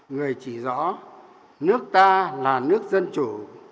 người chỉ rõ nước ta là nước dân chủ